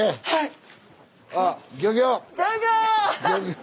はい。